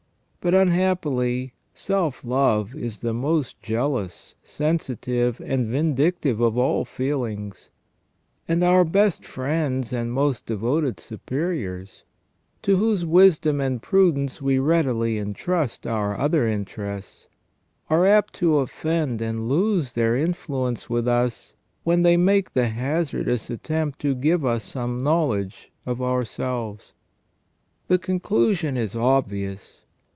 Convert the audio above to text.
But unhappily self love is the most jealous, sensitive, and vindictive of all feelings ; and our best friends and most devoted superiors, to whose wisdom and prudence we readily intrust our other interests, are apt to offend and lose their influence with us, SELF AND CONSCIENCE. 117 when they make the hazardous attempt to give us some know ledge of ourselves. The conclusion is obvious.